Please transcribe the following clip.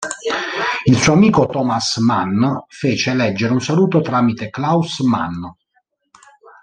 Il suo amico Thomas Mann fece leggere un saluto tramite Klaus Mann.